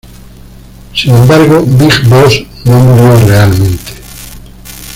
Sin embargo, Big Boss no murió realmente.